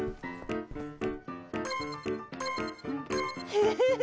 フフフ！